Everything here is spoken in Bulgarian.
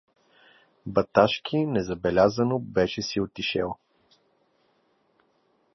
Баташки незабелязано беше си отишел.